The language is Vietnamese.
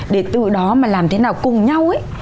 để từ đó mà làm thế nào cùng nhau